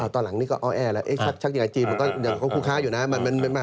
ตอนหลังนี้ก็อ้อแอแล้วชักยายจีนมันก็ยังคุกค้าอยู่นะ